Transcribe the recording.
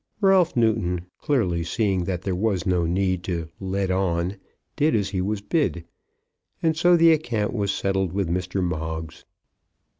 Ralph Newton, clearly seeing that there was no need to "let on," did as he was bid, and so the account was settled with Mr. Moggs.